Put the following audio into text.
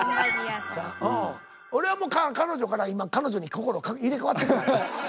俺はもう彼女から今彼女に心入れ代わってるからね。